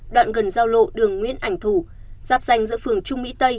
đoạn gần giao lộ đường nguyễn ảnh thủ giáp danh giữa phường trung mỹ tây